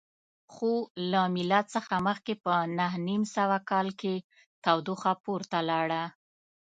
خو له میلاد څخه مخکې په نهه نیم سوه کال کې تودوخه پورته لاړه